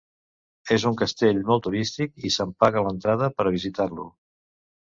És un castell molt turístic i se'n paga l'entrada, per a visitar-lo.